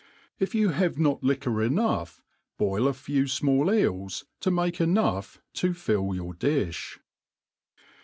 If you have not liquor Enough, boil a few fmall eels, to make enough to fill your diih.